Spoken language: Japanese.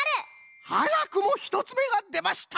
はやくも１つめがでました！